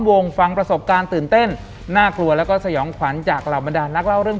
หลังจากนั้นเราไม่ได้คุยกันนะคะเดินเข้าบ้านอืม